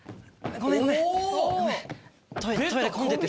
ごめんね。